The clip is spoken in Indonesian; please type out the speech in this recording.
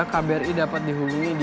kbri dapat dihubungi di